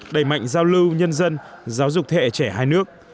đầy mạnh giao lưu nhân dân giáo dục thể trẻ hai nước